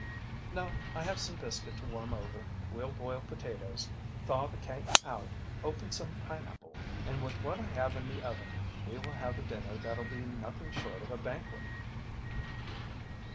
"No, I have some biscuit to warm over, we'll boil potatoes, thaw the cake out, open some pineapple, and with what I have in the oven we will have a dinner that'll be nothing short of a banquet."